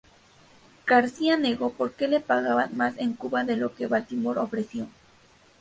García negó porque le pagaban más en Cuba de lo que Baltimore ofreció.